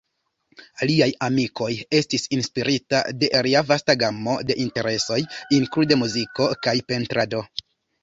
Liaj amikoj estis inspirita de lia vasta gamo da interesoj, inklude muziko kaj pentrado.